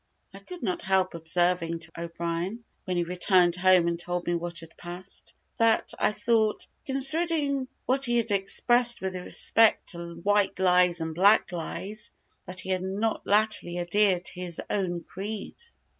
I could not help observing to O'Brien, when he returned home and told me what had passed, that "I thought, considering what he had expressed with respect to white lies and black lies, that he had not latterly adhered to his own creed."